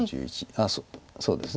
ああそうですね。